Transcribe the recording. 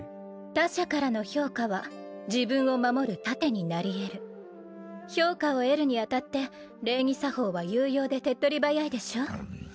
他者からの評価は自分を守る盾になり得る評価を得るに当たって礼儀作法は有用で手っ取り早いでしょう？